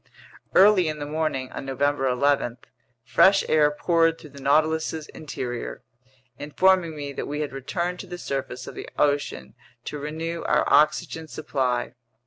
Early in the morning on November 11, fresh air poured through the Nautilus's interior, informing me that we had returned to the surface of the ocean to renew our oxygen supply.